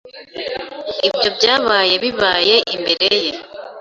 Ibyo byabaye bibaye imbere ye.